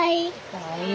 かわいい。